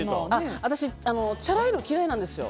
私、チャラいのが嫌いなんですよ。